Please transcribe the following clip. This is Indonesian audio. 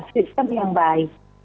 sistem yang baik